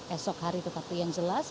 esok hari tetapi yang jelas